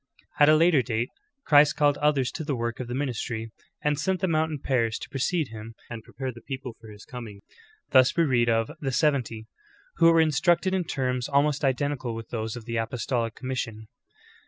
14. At a later date Christ called others to the work of the ministry, and sent them out in pairs to precede Him and prepare the peo])le for His cominj^. Thus we real of "the seventy" who were instructed in terms almost identical with those of the apostolic commission.